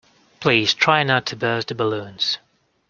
Please try not to burst the balloons